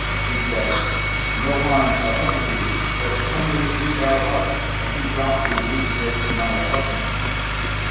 She said, "No harm shall come to thee, but tell me who thou art and who brought thee into this my apartment."